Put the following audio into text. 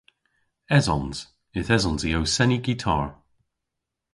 Esons. Yth esons i ow seni gitar.